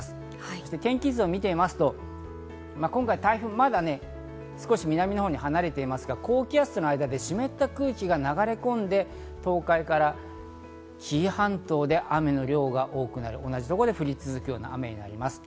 そして天気図を見てみますと、今回の台風、まだ南のほうに離れていますが、高気圧との間に湿った空気が流れ込んで、東海から紀伊半島で雨の量が多くなる、同じところで降り続くような雨となります。